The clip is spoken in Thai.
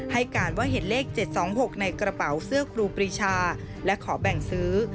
ให้การว่าเห็นเลข๗๒๖ในกระเป๋าเสื้อครูปรีชาและขอแบ่งซื้อ